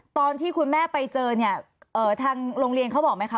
ตอนที่จะไปอยู่โรงเรียนนี้แปลว่าเรียนจบมไหนคะ